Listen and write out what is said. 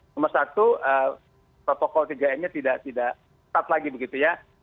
nomor satu protokol tiga m nya tidak ketat lagi begitu ya